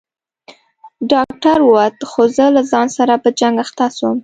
ډاکتر ووت خو زه له ځان سره په جنگ اخته سوم.